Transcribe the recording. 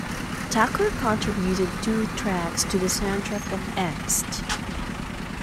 Tucker contributed two tracks to the soundtrack of 'Angst'.